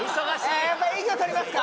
ああやっぱ営業とりますか？